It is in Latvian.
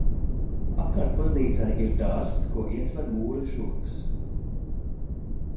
Apkārt baznīcai ir dārzs, ko ietver mūra žogs.